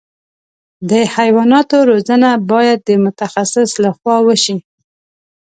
د حیواناتو روزنه باید د متخصص له خوا وشي.